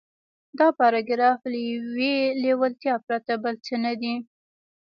دا پاراګراف له يوې لېوالتیا پرته بل څه نه دی.